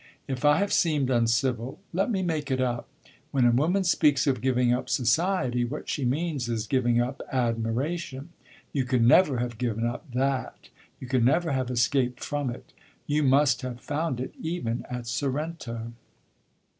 "If I have seemed uncivil, let me make it up. When a woman speaks of giving up society, what she means is giving up admiration. You can never have given up that you can never have escaped from it. You must have found it even at Sorrento."